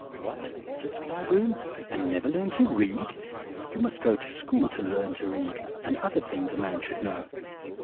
"'What!' said Squire Broom, 'and never learn to read? You must go to school to learn to read, and other things a man should know.'